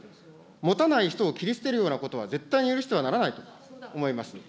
持たない人を切り捨てるようなことは、絶対に許してはならないと思います。